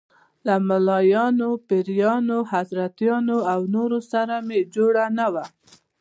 له ملايانو، پیرانو، حضرتانو او نورو سره مې جوړه نه وه.